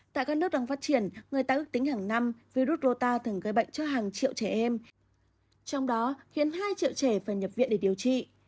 tại các nước đang phát triển người ta ước tính hàng năm virus rota thường gây bệnh cho hàng triệu trẻ em trong đó khiến hai triệu trẻ phải nhập viện để điều trị